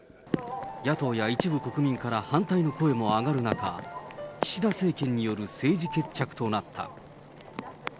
野党や一部国民から反対の声も上がる中、岸田政権による政治決着となった。